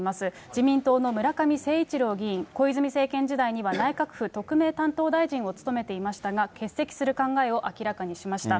自民党の村上誠一郎議員、小泉政権時代には内閣府特命担当大臣を務めていましたが、欠席する考えを明らかにしました。